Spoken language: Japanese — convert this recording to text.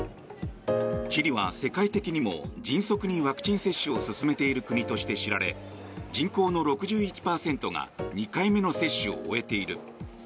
チリは世界的にも迅速にワクチン接種を進めている国として知られ人口の６１％が２回目の接種を終えている。